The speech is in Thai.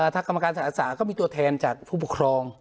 ถ้ากรรมการสาหกศึกษาก็จะมีตัวแทนจากผู้บังคลอง